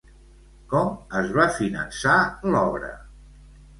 Com es va finançar l'obra?